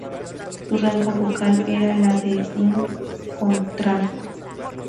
Su rango vocal era la de un contralto.